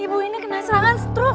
ibu ini kena serangan strok